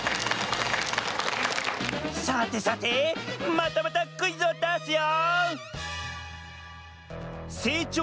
さてさてまたまたクイズをだすよ！